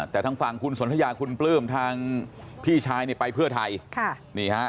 แต่ทางฝั่งคุณสนทะยาคุณปลื้มทางพี่ชายไปเพื่อไทย